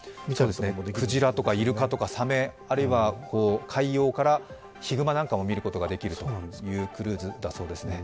鯨とかイルカ、さめ、あるいは海洋からヒグマなんかも見ることができるというクルーズだそうです。